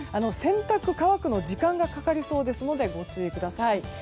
洗濯物、乾くのに時間がかかりそうなのでご注意ください。